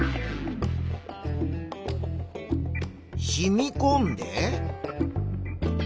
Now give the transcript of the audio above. しみこんで。